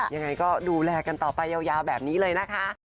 ยังไงก็ดูแลกันต่อไปยาวแบบนี้เลยนะคะ